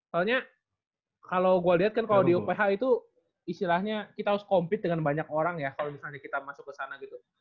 soalnya kalau gue lihat kan kalau di uph itu istilahnya kita harus compete dengan banyak orang ya kalau misalnya kita masuk ke sana gitu